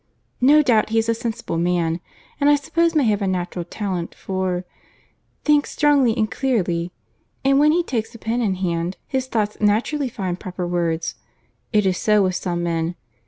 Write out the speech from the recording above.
No doubt he is a sensible man, and I suppose may have a natural talent for—thinks strongly and clearly—and when he takes a pen in hand, his thoughts naturally find proper words. It is so with some men.